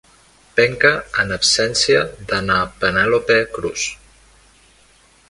Penca en absència de na Penèlope Cruz.